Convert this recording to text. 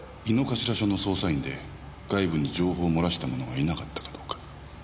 井の頭署の捜査員で外部に情報を漏らした者がいなかったかどうか。